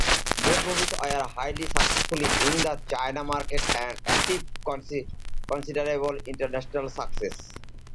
Both movies were highly successful in the China market and achieved considerable international success.